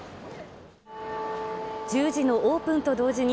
１０時のオープンと同時に、